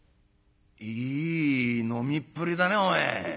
「いい飲みっぷりだねお前。